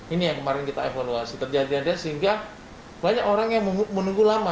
ini yang kemarin kita evaluasi terjadi ada sehingga banyak orang yang menunggu lama